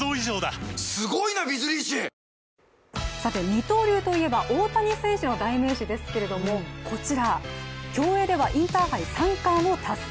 二刀流といえば大谷選手の代名詞ですけれどもこちら、競泳ではインターハイ３冠を達成